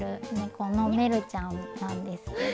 このメルちゃんなんですけど。